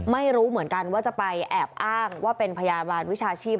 ไม่รู้เหมือนกันว่าจะไปแอบอ้างว่าเป็นพยาบาลวิชาชีพ